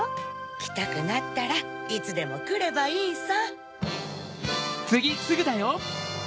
きたくなったらいつでもくればいいさ。